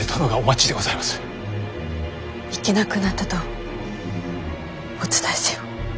行けなくなったとお伝えせよ。